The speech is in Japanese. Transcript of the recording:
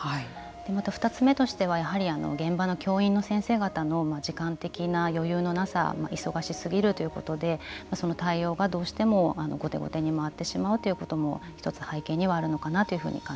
また、２つ目としては現場の教員の先生方の時間的な余裕のなさ忙しすぎるということでその対応がどうしても後手後手に回ってしまうということも１つ背景にはあるのかな